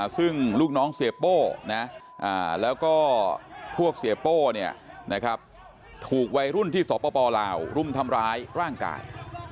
ซึ่งลูกน้องเสียโป้แล้วก็พวกเสียโป้ถูกวัยรุ่นที่สปลาวรุมทำร้ายร่างกาย